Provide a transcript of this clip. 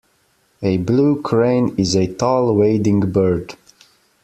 A blue crane is a tall wading bird.